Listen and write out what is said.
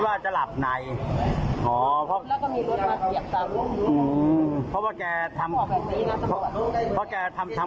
ไม่ไม่แกไม่ได้หินหรอกแกเหนื่อยแกก็บอกว่าแกไม่อยากเข้าไป